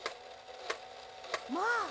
まあ！